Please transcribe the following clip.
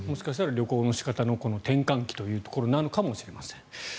旅行の仕方の転換期というところなのかもしれません。